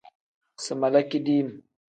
Si mala kidim.